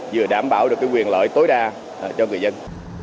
vừa đảm bảo được quyền lợi tối đa cho người dân